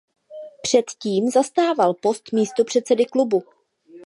Předtím zastával post místopředsedy klubu.